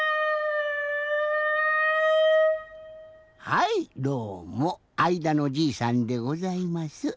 はいどうもあいだのじいさんでございます。